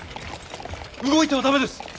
動いては駄目です！